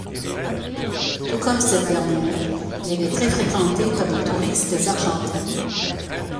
Tout comme cette dernière, elle est très fréquentée par les touristes argentins.